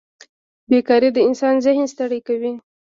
بېکارۍ د انسان ذهن ستړی کوي.